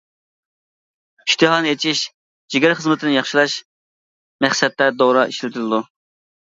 ئىشتىھانى ئىچىش، جىگەر خىزمىتى ياخشىلاش مەقسەتتە دورا ئىشلىتىلىدۇ.